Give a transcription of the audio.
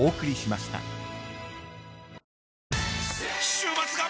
週末が！！